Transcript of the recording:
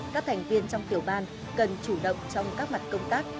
các thành viên trong tiểu ban cần chủ động trong các mặt công tác